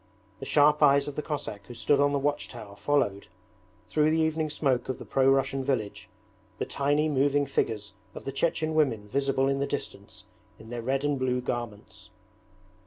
The sharp eyes of the Cossack who stood on the watch tower followed, through the evening smoke of the pro Russian village, the tiny moving figures of the Chechen women visible in the distance in their red and blue garments.